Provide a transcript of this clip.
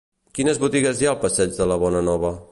Quines botigues hi ha al passeig de la Bonanova?